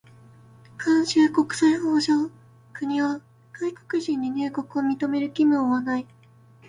慣習国際法上、国は外国人に入国を認める義務を負わない。